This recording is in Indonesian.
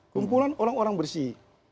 kumpulan orang orang bersih